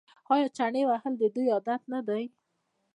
آیا چنې وهل د دوی عادت نه دی؟